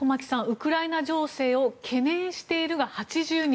ウクライナ情勢を懸念しているが８２％